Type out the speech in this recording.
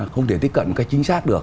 không thể tiếp cận cái chính xác được